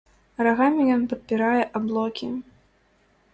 Рагамі ён падпірае аблокі.